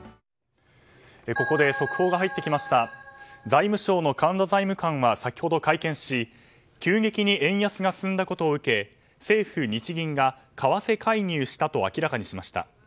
財務省の財務官は先ほど会見し急激に円安が進んだことを受け政府・日銀が為替介入したと明らかにしました。